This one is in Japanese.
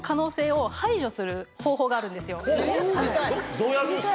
どうやるんですか？